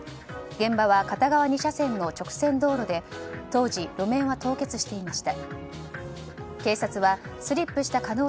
現場は片側２車線の直線道路で当時、路面は凍結していました。